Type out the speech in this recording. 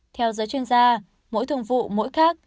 theo giới chuyên gia mỗi thường vụ mỗi khác